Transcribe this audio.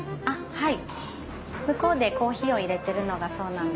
はい。